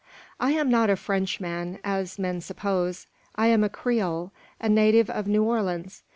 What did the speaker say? "I am not a Frenchman, as men suppose. I am a Creole, a native of New Orleans.